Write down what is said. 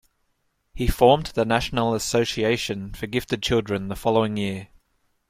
He formed the National Association for Gifted Children the following year.